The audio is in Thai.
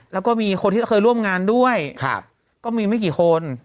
แล้วก็มีคนที่เคยร่วมงานด้วยก็มีไม่กี่คน